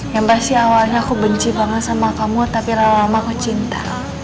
yang pasti awalnya aku benci banget sama kamu tapi lama lama aku cinta